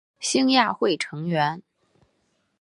兴亚会成员。